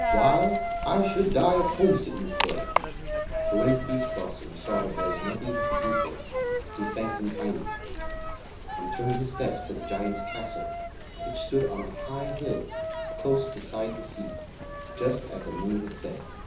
Why, I should die of homesickness there." So when Pease Blossom saw that there was nothing he could do for him, he thanked him kindly, and turned his steps to the Giant's castle which stood on a high hill close beside the sea just as the moon had said.